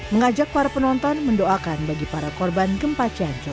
mengajak para penonton mendoakan bagi para korban gempa cianjur